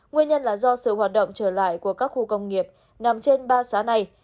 nguyên nhân là do sự hoạt động trở lại của các khu công nghiệp nằm trên ba xã này